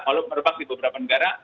walaupun merebak di beberapa negara